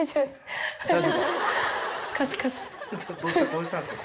どうしたんですか？